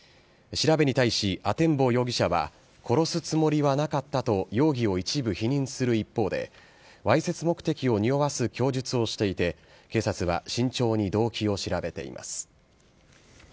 調べに対し、阿天坊容疑者は、殺すつもりはなかったと容疑を一部否認する一方で、わいせつ目的をにおわす供述をしていて、警察は慎重に動機を調べています。